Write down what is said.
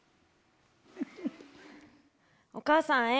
お母さんへ。